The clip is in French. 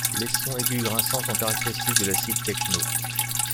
Les sons aigus grinçants sont caractéristiques de l'acid techno.